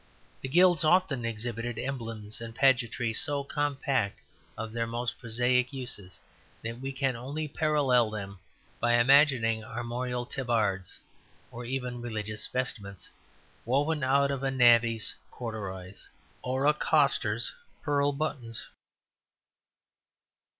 The Guilds often exhibited emblems and pageantry so compact of their most prosaic uses, that we can only parallel them by imagining armorial tabards, or even religious vestments, woven out of a navvy's corderoys or a coster's pearl buttons.